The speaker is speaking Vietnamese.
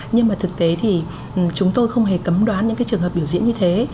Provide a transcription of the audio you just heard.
nhưng mà thực tế thì chúng tôi không hề cấm đoán những cái trường hợp biểu diễn như thế